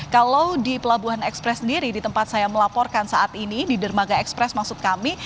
kalau di pelabuhan ekspres sendiri di tempat saya melaporkan saat ini di dermaga ekspres maksud kami